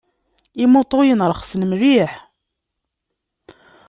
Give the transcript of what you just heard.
Imuṭuyen rexsen mliḥ.